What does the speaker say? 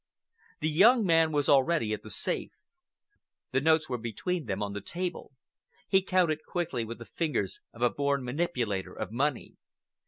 The young man was already at the safe. The notes were between them, on the table. He counted quickly with the fingers of a born manipulator of money.